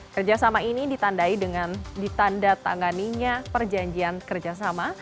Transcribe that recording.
kerjasama ini ditandai dengan ditanda tanganinya perjanjian kerjasama